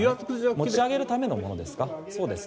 持ち上げるためのものですね。